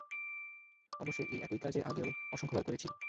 অবশ্যই, এই একই কাজ এর আগেও অসংখ্যবার করেছি!